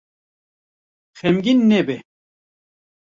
Xemgîn nebe.